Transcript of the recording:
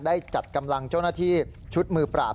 ได้จัดกำลังเจ้าหน้าที่ชุดมือปราบ